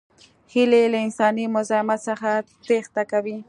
هیلۍ له انساني مزاحمت څخه تېښته کوي